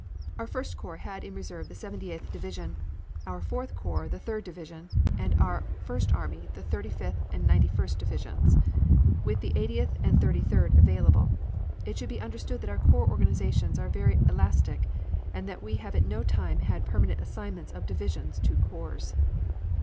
Our First Corps had in reserve the Seventy eighth Division, our Fourth Corps the Third Division, and our First Army the Thirty fifth and Ninety first Divisions, with the Eightieth and Thirty third available. It should be understood that our corps organizations are very elastic, and that we have at no time had permanent assignments of divisions to corps.